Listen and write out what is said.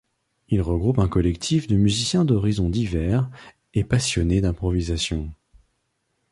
Il regroupe un collectif de musiciens d'horizons divers et passionnés d'improvisation.